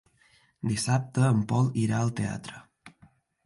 Dissabte en Pol irà al teatre.